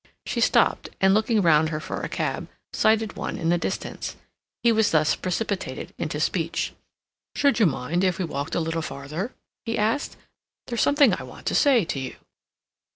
She stopped and, looking round her for a cab, sighted one in the distance. He was thus precipitated into speech. "Should you mind if we walked a little farther?" he asked. "There's something I want to say to you."